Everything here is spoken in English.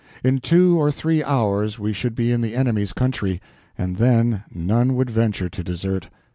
In two or three hours we should be in the enemy's country, and then none would venture to desert.